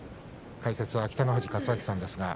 解説は北の富士勝昭さんです。